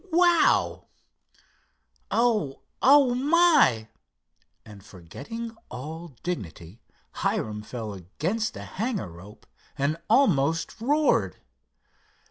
Wow! O oh, my!" and, forgetting all dignity, Hiram fell against a hangar rope and almost roared.